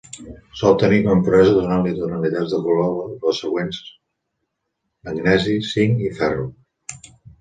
Sol tenir com a impureses donant-li tonalitats de color les següents: magnesi, zinc i ferro.